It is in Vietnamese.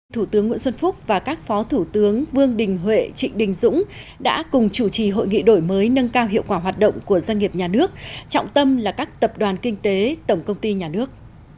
thủ tướng nguyễn xuân phúc và các phó thủ tướng vương đình huệ trịnh đình dũng đã cùng chủ trì hội nghị đổi mới nâng cao hiệu quả hoạt động của doanh nghiệp nhà nước trọng tâm là các tập đoàn kinh tế tổng công ty nhà nước